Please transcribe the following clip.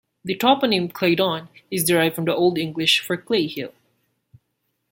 The toponym "Claydon" is derived from the Old English for "clay hill".